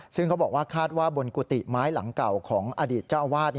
ซึ่งเขาบอกว่าคาดว่าบนกุฏิไม้หลังเก่าของอดีตเจ้าอาวาส